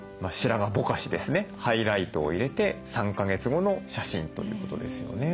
ハイライトを入れて３か月後の写真ということですよね。